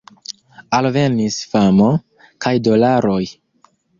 Alvenis famo, kaj dolaroj.